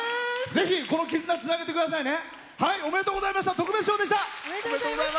ぜひこの絆つないでくださいね。